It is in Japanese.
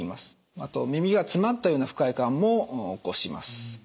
あと耳が詰まったような不快感も起こします。